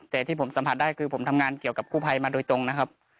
แต่ที่ผมสัมผัสได้คือผมทำงานเกี่ยวกับกู้ภัยมาโดยตรงนะครับ